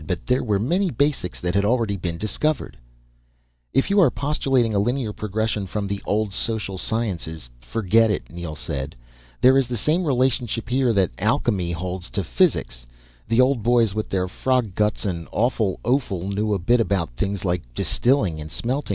But there were many basics that had already been discovered." "If you are postulating a linear progression from the old social sciences forget it," Neel said. "There is the same relationship here that alchemy holds to physics. The old boys with their frog guts and awful offal knew a bit about things like distilling and smelting.